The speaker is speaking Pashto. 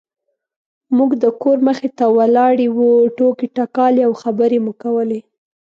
موږ د کور مخې ته ولاړې وو ټوکې ټکالې او خبرې مو کولې.